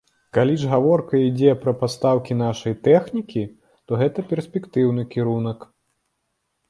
Калі ж гаворка ідзе пра пастаўкі нашай тэхнікі, то гэта перспектыўны кірунак.